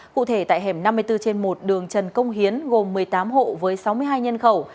cụ thể tại hẻm năm mươi bốn trên một đường trần công hiến gồm một mươi tám hộ với sáu mươi hai nhân khẩu